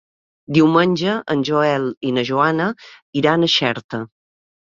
Diumenge en Joel i na Joana iran a Xerta.